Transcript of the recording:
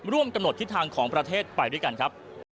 ร่วมกำหนดทิศทางของประเทศไปด้วยกันครับ